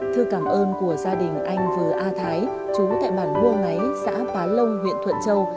thư cảm ơn của gia đình anh vừa a thái chú tại bản mua ngáy xã pá lông huyện thuận châu